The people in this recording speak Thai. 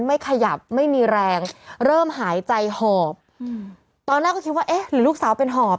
ไม่ขยับไม่มีแรงเริ่มหายใจหอบอืมตอนแรกก็คิดว่าเอ๊ะหรือลูกสาวเป็นหอบ